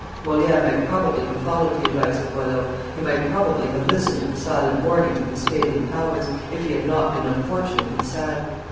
Moliere might probably have followed the advice of Boileau, he might probably have listened to the silent warnings of his failing powers, if he had not been unfortunate and sad.